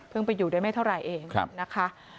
เพิ่งไปอยู่ด้วยไม่เท่าไรเองนะคะ